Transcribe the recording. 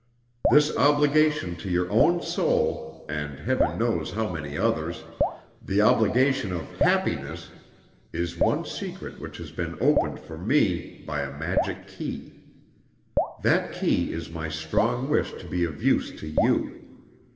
This obligation to your own soul (and Heaven knows how many others), the obligation of happiness is one secret which has been opened for me by a magic key. That key is my strong wish to be of use to you.